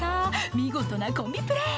見事なコンビプレー